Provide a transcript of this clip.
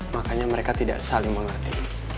makanya mereka tidak saling melatih